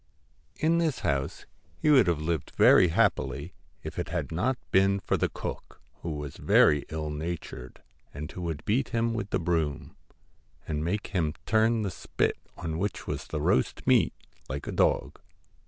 In this house he would have lived very happily, if it had not been for the cook, who was very ill natured, and who would beat him with the broom, 124 and made him turn the spit on which was the WHIT roast meat, like a dog.